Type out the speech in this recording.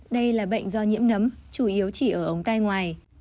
đây là bệnh do nhiễm nấm chủ yếu chỉ ở ống tai ngoài